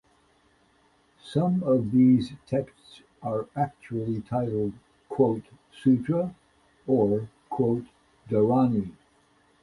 Some of these texts are actually titled "sutra" or "dharani".